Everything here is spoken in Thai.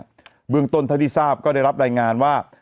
ด้วยนะฮะเบื้องตนท่านที่ทราบก็ได้รับรายงานว่า